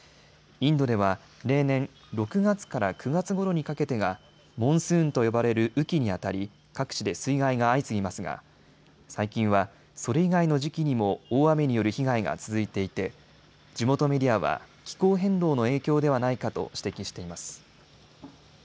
インドでは例年、６月から９月ごろにかけてがモンスーンと呼ばれる雨期にあたり各地で水害が相次ぎますが最近はそれ以外の時期にも大雨による被害が続いていて地元メディアは気候変動の影響ではないかと指摘しています。